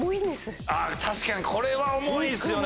確かにこれは重いっすよね。